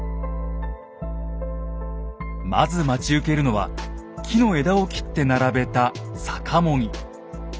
まず待ち受けるのは木の枝を切って並べた「逆茂木」。